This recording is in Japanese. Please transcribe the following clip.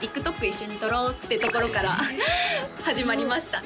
一緒に撮ろうってところから始まりました